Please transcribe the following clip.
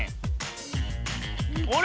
あれ？